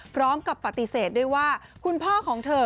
พร้อมกับปฏิเสธด้วยว่าคุณพ่อของเธอ